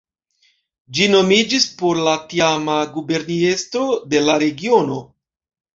Ĝi nomiĝis por la tiama guberniestro de la regiono.